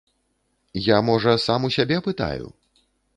Я, можа, сам у сябе пытаю?